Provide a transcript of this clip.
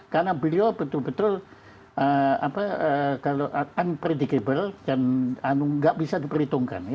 karena beliau betul betul unpredictable dan tidak bisa diperhitungkan